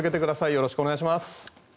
よろしくお願いします。